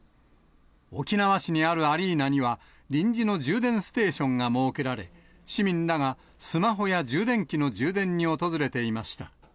沖縄市にあるアリーナには、臨時の充電ステーションが設けられ、市民らがスマホや充電器の充電に訪れていました。